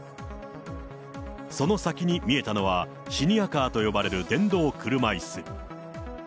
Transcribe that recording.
その先に見えたのは、シニアカーと呼ばれる電動車いす。